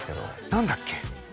何だっけ？